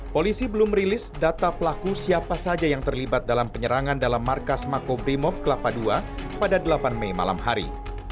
polisi belum rilis data pelaku siapa saja yang terlibat dalam penyerangan dalam markas makobrimob kelapa ii pada delapan mei malam hari